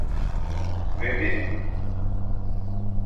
Ve benim.